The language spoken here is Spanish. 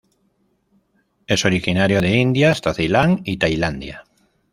Es originario de India hasta Ceilán y Tailandia.